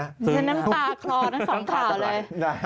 มีแค่น้ำตากคลอนั้นสองข่าวเลย